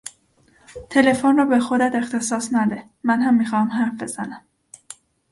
تلفن را به خودت اختصاص نده! منهم میخواهم حرف بزنم!